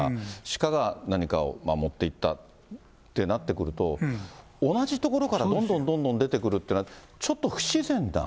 鹿が何かを持って行ったってなってくると、同じ所からどんどんどんどん出てくるっていうのは、ちょっと不自然な。